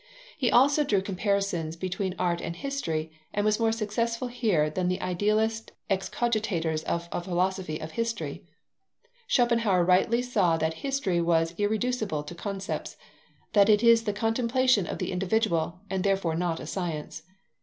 He also drew comparisons between art and history, and was more successful here than the idealist excogitators of a philosophy of history. Schopenhauer rightly saw that history was irreducible to concepts, that it is the contemplation of the individual, and therefore not a science.